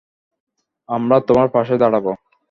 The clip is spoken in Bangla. আমরা তোমার পাশে দাঁড়াব।